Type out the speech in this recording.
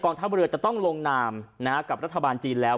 ทัพเรือจะต้องลงนามกับรัฐบาลจีนแล้ว